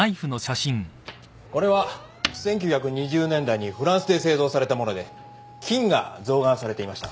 これは１９２０年代にフランスで製造された物で金が象眼されていました。